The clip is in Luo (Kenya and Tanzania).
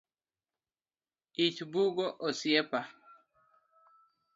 Ich bugo osiepa